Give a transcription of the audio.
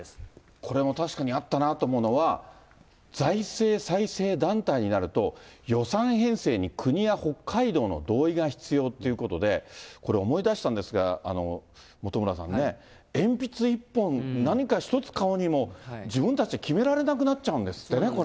これも確かにあったなと思うのは、財政再生団体になると、予算編成に国や北海道の同意が必要ってことで、これ、思い出したんですが、本村さんね、鉛筆１本、何か１つ買うにも、自分たちで決められなくなっちゃうんですってね、これ。